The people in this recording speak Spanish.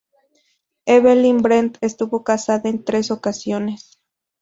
Evelyn Brent estuvo casada en tres ocasiones.